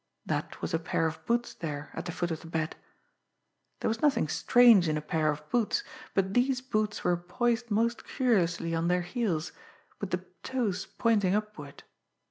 That was a pair of boots there at the foot of the bed. There was nothing strange in a pair of boots, but these boots were poised most curiously on their heels, with the toes pointing upward.